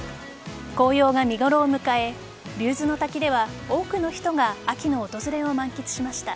紅葉が見ごろを迎え竜頭の滝では多くの人が秋の訪れを満喫しました。